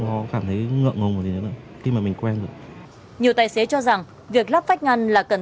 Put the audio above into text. có cảm thấy ngợn ngùng gì nữa khi mà mình quen được nhiều tài xế cho rằng việc lắp vách ngăn là cần